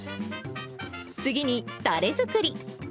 次にたれ作り。